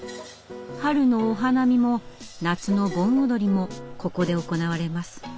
春のお花見も夏の盆踊りもここで行われます。